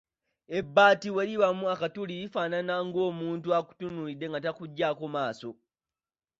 Ebbaati bwe libaamu akatuli lifaanana ng’omuntu akutunuulidde nga takuggyako maaso.